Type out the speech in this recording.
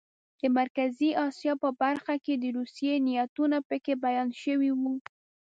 د مرکزي اسیا په برخه کې د روسیې نیتونه پکې بیان شوي وو.